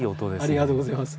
ありがとうございます。